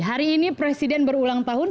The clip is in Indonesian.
hari ini presiden berulang tahun